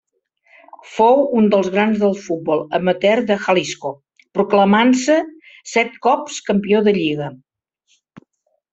Fou un dels grans del futbol amateur de Jalisco, proclamant-se set cops campió de lliga.